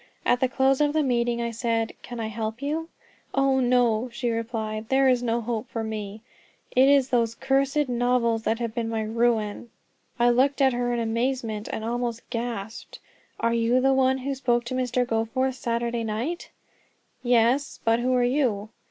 At the close of the meeting I said, "Can I help you?" "Oh, no," she replied, "there is no hope for me; it is those cursed novels that have been my ruin." I looked at her in amazement, and almost gasped: "Are you the one who spoke to Mr. Goforth Saturday night?" "Yes; but who are you?"